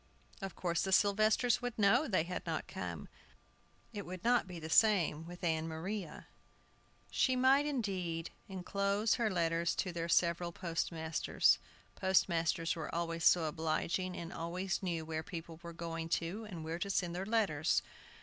Of course the Sylvesters would know they had not come. It would be the same with Ann Maria. She might, indeed, inclose her letters to their several postmasters. Postmasters were always so obliging, and always knew where people were going to, and where to send their letters.